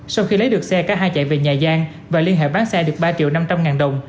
sau khi lấy được xe cả hai chạy về nhà giang và liên hệ bán xe được ba triệu năm trăm linh ngàn đồng